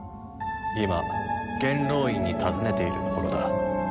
今元老院に尋ねているところだ。